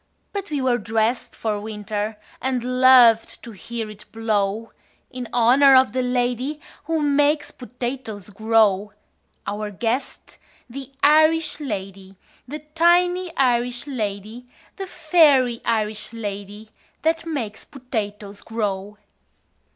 But we were dressed for winter, And loved to hear it blow In honor of the lady Who makes potatoes grow Our guest, the Irish lady, The tiny Irish lady, The fairy Irish lady That makes potatoes grow.